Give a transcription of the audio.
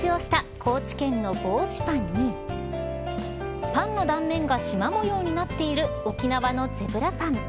高知県のぼうしパンにパンの場面がしま模様になっている沖縄のゼブラパン。